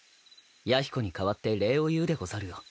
弥彦に代わって礼を言うでござるよ。